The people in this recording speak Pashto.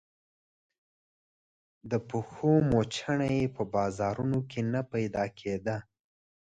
د پښو موچڼه يې په بازارونو کې نه پيدا کېده.